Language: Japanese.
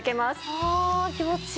はあ気持ちいい。